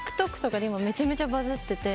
すごい、今ＴｉｋＴｏｋとかでめちゃめちゃバズってて。